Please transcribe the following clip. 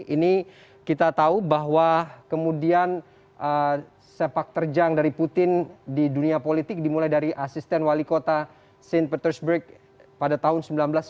ini kita tahu bahwa kemudian sepak terjang dari putin di dunia politik dimulai dari asisten wali kota st petersburg pada tahun seribu sembilan ratus sembilan puluh